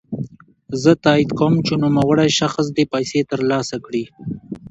زه تاييد کوم چی نوموړی شخص دي پيسې ترلاسه کړي.